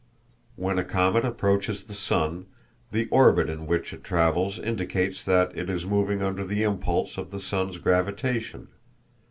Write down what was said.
When a comet approaches the sun, the orbit in which it travels indicates that it is moving under the impulse of the sun's gravitation.